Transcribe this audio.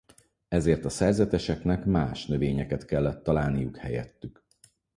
Ezért a szerzeteseknek más növényeket kellett találniuk helyettük.